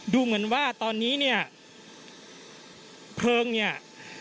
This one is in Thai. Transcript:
ดูเหมือนว่าตอนนี้เนี่ยเพลิงเนี่ย